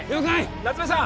夏梅さん